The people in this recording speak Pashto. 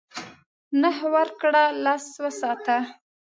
نهه ورکړه لس وساته .